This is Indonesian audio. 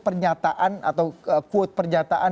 pernyataan atau quote pernyataan